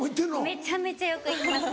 めちゃめちゃよく行きます。